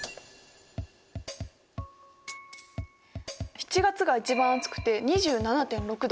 ７月が一番暑くて２７．６度。